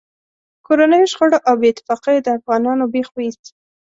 کورنیو شخړو او بې اتفاقیو د افغانانو بېخ و ایست.